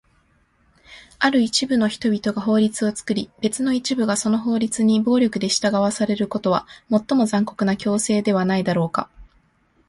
ある一部の人々が法律を作り、別の一部がその法律に暴力で従わされることは、最も残酷な強制ではないだろうか？